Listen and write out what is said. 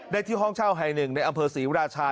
ที่ห้องเช่าแห่งหนึ่งในอำเภอศรีราชา